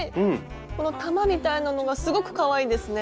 この玉みたいなのがすごくかわいいですね。